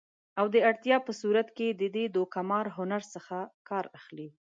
او د اړتیا په صورت کې د دې دوکه مار هنر څخه کار اخلي